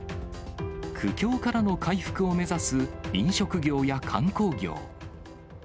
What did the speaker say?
苦境からの回復を目指す飲食業や観光業。